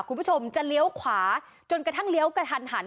คุณผู้ชมจะเลี้ยวขวาจนกระทั่งเลี้ยวกระทันหัน